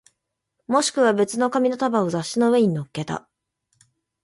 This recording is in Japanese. もしくは別の紙の束を雑誌の上に乗っけた